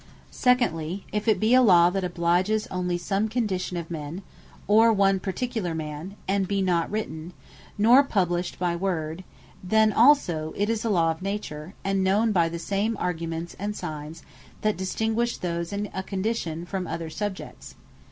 Secondly, if it be a Law that obliges only some condition of men, or one particular man and be not written, nor published by word, then also it is a Law of Nature; and known by the same arguments, and signs, that distinguish those in such a condition, from other Subjects.